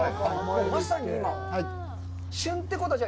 まさに今？